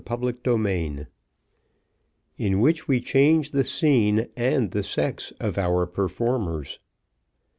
Chapter XVI In which we change the scene, and the sex of our performers.